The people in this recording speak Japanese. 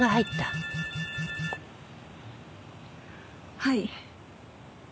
はい。